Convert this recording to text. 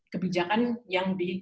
kebijakan yang di